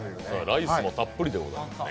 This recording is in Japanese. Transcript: ライスもたっぷりでございますね。